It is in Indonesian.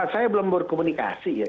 saya belum berkomunikasi ya